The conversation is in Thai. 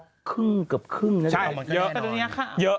เข้าครึ่งกับครึ่งนะครับเหมือนกันแน่นอนใช่เยอะ